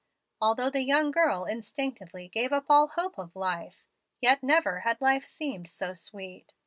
Although the young girl instinctively gave up all hope of life, yet never had life seemed so sweet.